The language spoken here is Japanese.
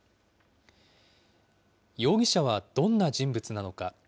容疑者はどんな人物なのか。